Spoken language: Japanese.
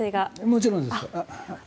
もちろんです。